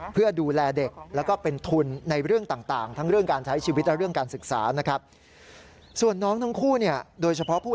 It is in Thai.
เพื่อดูแลเด็กแล้วก็เป็นทุนในเรื่องต่างทั้งเรื่องการใช้ชีวิตและเรื่องการศึกษานะครับส่วนน้องทั้งคู่เนี่ยโดยเฉพาะผู้